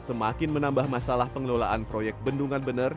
semakin menambah masalah pengelolaan proyek bendungan bener